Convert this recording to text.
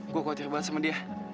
gue khawatir banget sama dia